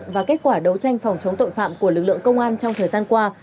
và kết quả đấu tranh phòng chống tội phạm của lực lượng công an trong thời gian qua